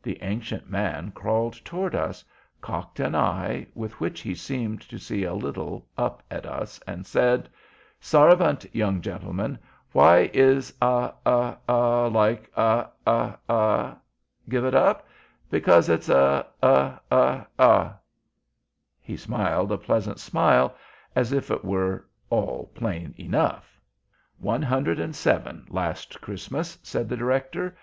The ancient man crawled toward us, cocked one eye, with which he seemed to see a little, up at us, and said: "Sarvant, young Gentlemen. Why is a—a—a—like a—a—a—? Give it up? Because it's a—a—a—a—." He smiled a pleasant smile, as if it were all plain enough. "One hundred and seven last Christmas," said the Director.